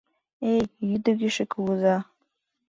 — Эй, йӱдыгышӧ кугыза!